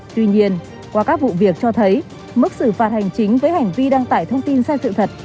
tuy nhiên qua các vụ việc cho thấy mức xử phạt hành chính với hành vi đăng tải thông tin sai sự thật